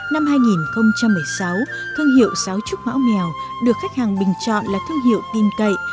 năm hai nghìn một mươi sáu thương hiệu xáo trúc mão mèo được khách hàng bình chọn là thương hiệu tin cậy